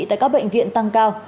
tại các bệnh viện tăng cao